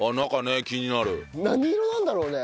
何色なんだろうね。